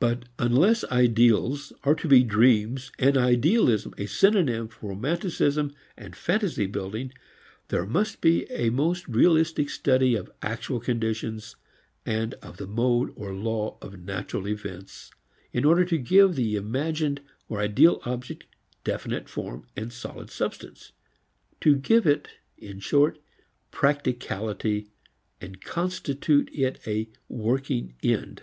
But unless ideals are to be dreams and idealism a synonym for romanticism and fantasy building, there must be a most realistic study of actual conditions and of the mode or law of natural events, in order to give the imagined or ideal object definite form and solid substance to give it, in short, practicality and constitute it a working end.